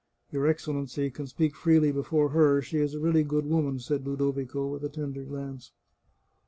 " Your Excellency can speak freely before her ; she is a really good woman," said Ludovico, with a tender glance.